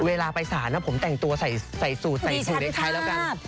เวลาไปสารผมแต่งตัวใส่สูตรใส่สูตรในไทยแล้วกัน